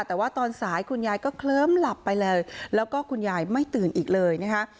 แต่ว่าตอนสายคุณยายก็เคลิ้มหลับไปเลยแล้วก็คุณยายไม่ตื่นอีกเลยนะคะ